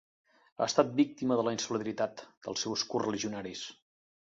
Ha estat víctima de la insolidaritat dels seus correligionaris.